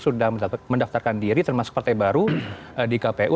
sudah mendaftarkan diri termasuk partai baru di kpu